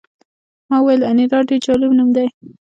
ما وویل انیلا ډېر جالب نوم دی